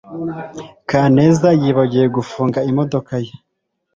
kaneza yibagiwe gufunga imodoka ye